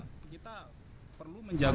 kita perlu menjaga